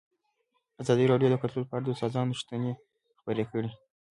ازادي راډیو د کلتور په اړه د استادانو شننې خپرې کړي.